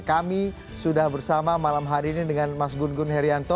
kami sudah bersama malam hari ini dengan mas gun gun herianto